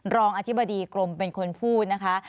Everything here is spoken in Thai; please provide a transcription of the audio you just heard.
รองอธิบดีกรมเป็นคนพูดนะคะ